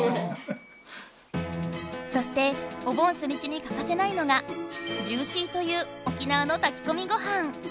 そしてお盆初日にかかせないのがジューシーという沖縄のたきこみごはん。